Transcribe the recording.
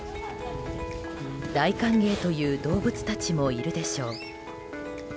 大歓迎という動物たちもいるでしょう。